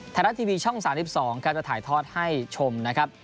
ธนาทีวีช่อง๓๒กำลังจะถ่ายทอดให้ชมนะครับ